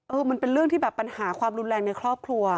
มันเป็นเรื่องที่แบบปัญหาความรุนแรงในครอบครัว